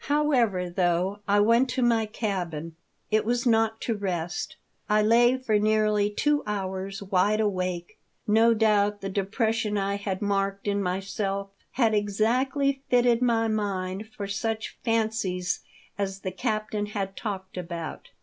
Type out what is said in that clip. However, though I went to my cabin, it was not to rest. I lay for nearly two hours wide awake. No doubt the depression I had marked in myself had exactly fitted my mind for such fancies as the captain had talked about.